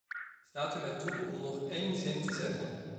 Staat u mij toe om nog één zin te zeggen.